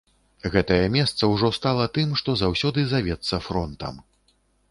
Гэтае месца ўжо стала тым, што заўсёды завецца фронтам.